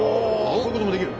こういうこともできる！